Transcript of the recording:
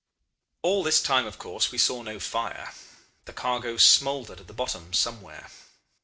"All this time of course we saw no fire. The cargo smoldered at the bottom somewhere.